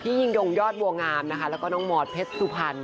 พี่ยเงียงยอดวัลวงามนะคะแล้วก็น้องหมอร์ดเพล็ตสุภัณฑ์